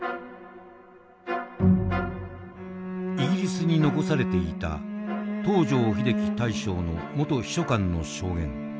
イギリスに残されていた東條英機大将の元秘書官の証言。